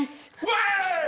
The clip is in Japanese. わい！